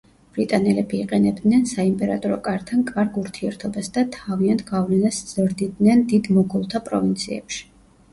ბრიტანელები იყენებდნენ საიმპერატორო კართან კარგ ურთიერთობას და თავიანთ გავლენას ზრდიდნენ დიდ მოგოლთა პროვინციებში.